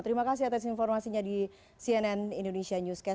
terima kasih atas informasinya di cnn indonesia newscast